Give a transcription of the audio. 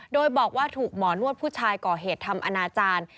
โดยบอกว่าถูกหมอนวดผู้ชายก่อเหตุทำอนาจารย์